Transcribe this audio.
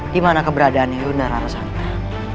dimana keberadaan yudha rarasantan